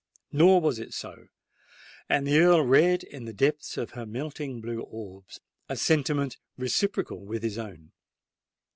Nor was it so; and the Earl read in the depths of her melting blue orbs a sentiment reciprocal with his own.